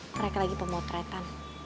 mereka lagi pemotretan